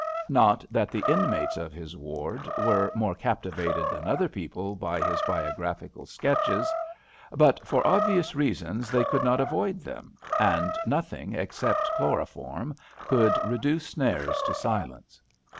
Not that the inmates of his ward were more captivated than other people by his bio graphical sketches ; but, for obvious reasons, 90 SNARES they could not avoid them, and nothing, except chloroform, could reduce Snares to silence.